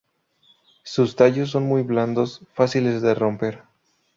Sus tallos son muy blandos, fáciles de romper.